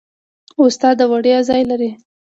استاد د ویاړ ځای لري.